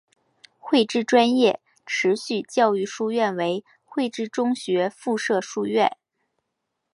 汇知专业持续教育书院为汇知中学附设书院。